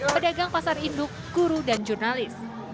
pedagang pasar induk guru dan jurnalis